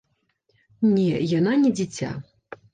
Не, яна не дзіця.